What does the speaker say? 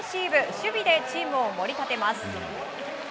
守備でチームを盛り立てます。